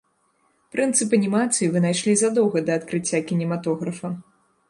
Прынцып анімацыі вынайшлі задоўга да адкрыцця кінематографа.